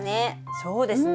そうですね。